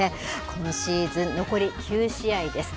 このシーズン、残り９試合です。